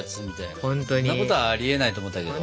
そんなことはありえないと思ったけど。